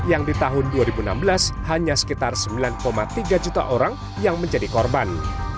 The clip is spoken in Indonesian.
yang di tahun dua ribu enam belas hanya sekitar sembilan tiga juta orang yang menjadi korban